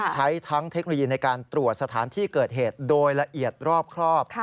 ใช้ทั้งเทคโนโลยีในการตรวจสถานที่เกิดเหตุโดยละเอียดรอบครอบ